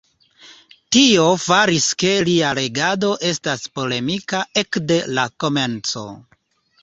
Tio faris ke lia regado estas polemika ekde la komenco.